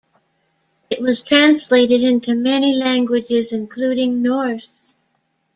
It was translated into many languages, including Norse.